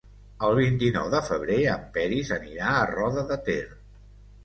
El vint-i-nou de febrer en Peris anirà a Roda de Ter.